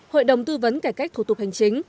hội đồng tư vấn cải cách thủ tục hành chính